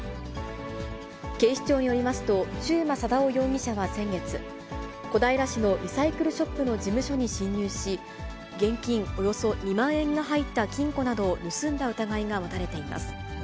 警視庁によりますと、中馬貞夫容疑者は先月、小平市のリサイクルショップの事務所に侵入し、現金およそ２万円が入った金庫などを盗んだ疑いが持たれています。